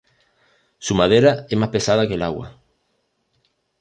Su madera es más pesada que el agua.